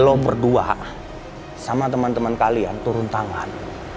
kalau berdua sama teman teman kalian turun tangan